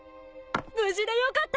無事でよかった！